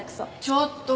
ちょっと。